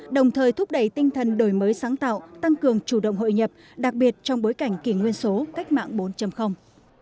đồng thời thúc đẩy tinh thần đổi mới sáng tạo tăng cường chủ động hội nhập đặc biệt trong bối cảnh kỷ nguyên số cách mạng bốn